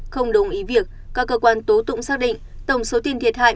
không đồng ý việc các cơ quan tố tụng xác định tổng số tiền thiệt hại